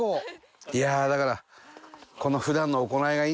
いやだから。